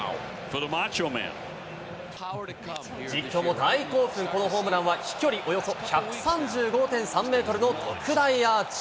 実況も大興奮、このホームランは飛距離およそ１３５．３メートルの特大アーチ。